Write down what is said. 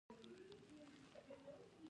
• د زړۀ د سکون لپاره کښېنه.